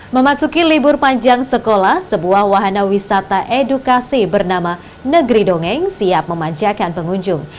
memasuki libur panjang sekolah sebuah wahana wisata edukasi bernama negeri dongeng siap memanjakan pengunjung